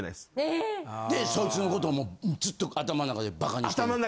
でそいつのことをずっと頭の中でバカにしてる。